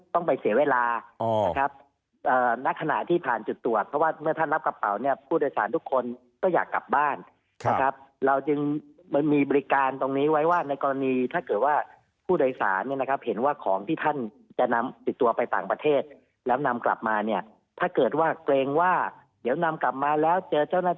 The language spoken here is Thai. ต้องไปเสียเวลานะครับณขณะที่ผ่านจุดตรวจเพราะว่าเมื่อท่านรับกระเป๋าเนี่ยผู้โดยสารทุกคนก็อยากกลับบ้านนะครับเราจึงมันมีบริการตรงนี้ไว้ว่าในกรณีถ้าเกิดว่าผู้โดยสารเนี่ยนะครับเห็นว่าของที่ท่านจะนำติดตัวไปต่างประเทศแล้วนำกลับมาเนี่ยถ้าเกิดว่าเกรงว่าเดี๋ยวนำกลับมาแล้วเจอเจ้าหน้าที่